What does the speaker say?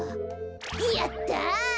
やった。